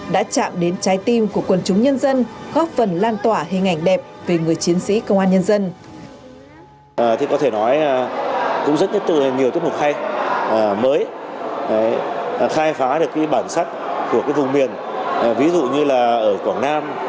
đã chạm đến trái tim của quần chúng nhân dân góp phần lan tỏa hình ảnh đẹp về người chiến sĩ công an nhân dân